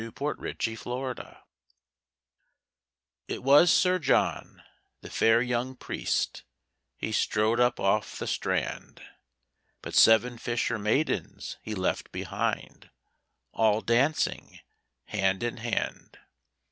1870. THE PRIEST'S HEART It was Sir John, the fair young Priest, He strode up off the strand; But seven fisher maidens he left behind All dancing hand in hand.